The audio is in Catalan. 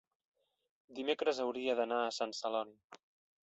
dimecres hauria d'anar a Sant Celoni.